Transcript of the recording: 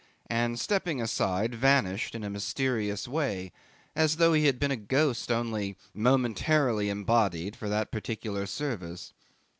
and stepping aside, vanished in a mysterious way as though he had been a ghost only momentarily embodied for that particular service.